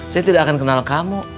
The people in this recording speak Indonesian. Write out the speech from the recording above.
saya tidak akan kenal kamu